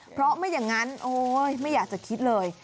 เพราะไม่อย่างนั้นโอ๊ยไม่อยากจะคิดเลย